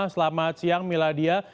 selamat siang miladia